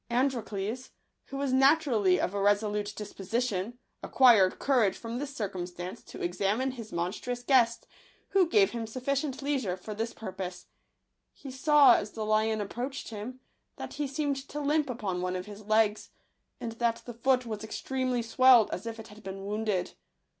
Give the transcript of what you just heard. Androcles, who was naturally of a resolute disposition, acquired courage from this cir cumstance to examine his monstrous guest, who gave him sufficient leisure for this pur pose. He saw, as the lion approached him, that he seemed to limp upon one of his legs, and that the foot was extremely swelled, as if it had been wounded.